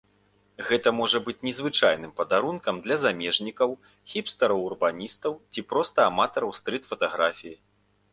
Гэта можа быць незвычайным падарункам для замежнікаў, хіпстараў-урбаністаў ці проста аматараў стрыт-фатаграфіі.